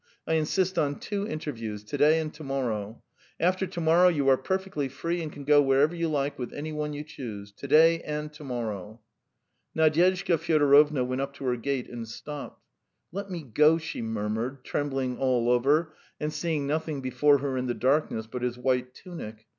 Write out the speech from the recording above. I insist on two interviews to day and to morrow. After to morrow you are perfectly free and can go wherever you like with any one you choose. To day and to morrow." Nadyezhda Fyodorovna went up to her gate and stopped. "Let me go," she murmured, trembling all over and seeing nothing before her in the darkness but his white tunic.